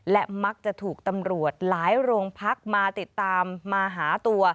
และมักจะถูกตำรวจหลายโรงพักมาติดตามมาหาตัว